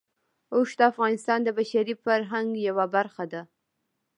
اوښ د افغانستان د بشري فرهنګ یوه برخه ده.